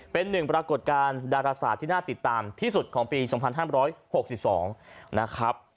เป็นหนึ่งปรากฏการณ์ดาราศาสตร์ที่น่าติดตามที่สุดของปี๒๕๖๒นะครับ